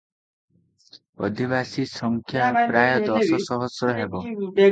ଅଧିବାସୀସଂଖ୍ୟା ପ୍ରାୟ ଦଶ ସହସ୍ର ହେବ ।